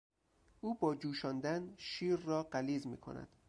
او با جوشاندن شیر را غلیظ میکند.